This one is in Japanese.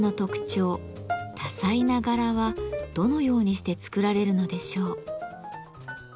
多彩な柄はどのようにして作られるのでしょう？